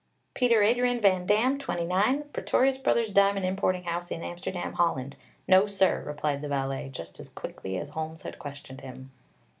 "Peter Adrian Van Damm. Twenty nine. Pretorius Brothers' diamond importing house in Amsterdam, Holland. No, sir," replied the valet, just as quickly as Holmes had questioned him.